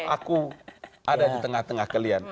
aku ada di tengah tengah kalian